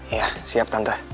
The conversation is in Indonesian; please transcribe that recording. iya siap tante